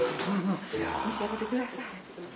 召し上がってください。